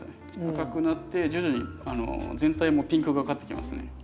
赤くなって徐々に全体もピンクがかってきますね。